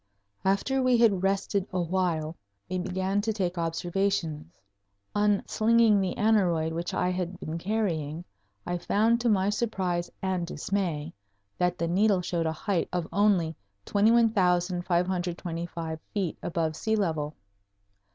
After we had rested awhile we began to take observations. Unslinging the aneroid which I had been carrying, I found to my surprise and dismay that the needle showed a height of only 21,525 feet above sea level.